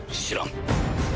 知らん。